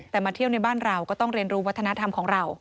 แต่มาเที่ยวในบ้านเราก็ต้องเรียนรู้วัฒนธรรมของเรา